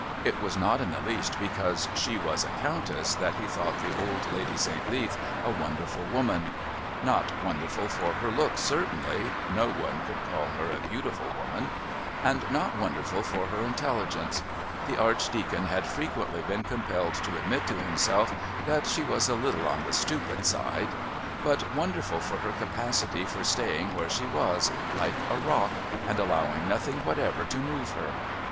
It was not in the least because she was a Countess that he thought the old Lady St. Leath a wonderful woman; not wonderful for her looks certainly no one could call her a beautiful woman and not wonderful for her intelligence; the Archdeacon had frequently been compelled to admit to himself that she was a little on the stupid side but wonderful for her capacity for staying where she was like a rock and allowing nothing whatever to move her.